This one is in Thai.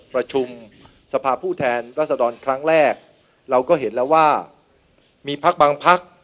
ประชุมสภาพผู้แทนรัศดรครั้งแรกเราก็เห็นแล้วว่ามีพักบางพัก